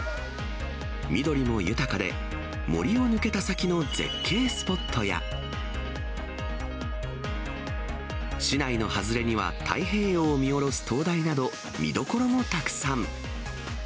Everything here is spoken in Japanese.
緑も豊かで、森を抜けた先の絶景スポットや、市内の外れには太平洋を見下ろす灯台など、見どころもたくさん。